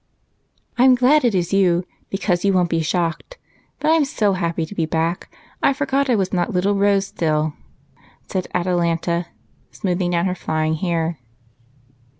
"I'm glad it is you, because you won't be shocked. But I'm so happy to be back I forgot I was not little Rose still," said Atalanta, smoothing down her flying hair.